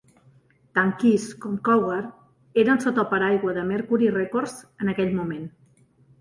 Tant Kiss com Cougar eren sota el paraigua de Mercury Records en aquell moment.